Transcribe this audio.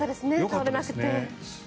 倒れなくて。